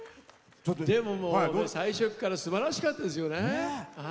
最初からすばらしかったですよね。